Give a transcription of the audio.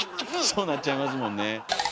そうなっちゃいますもんね。